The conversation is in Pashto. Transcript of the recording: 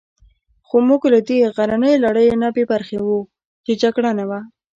خو موږ له دې غرنیو لړیو نه بې برخې وو، چې جګړه نه وه.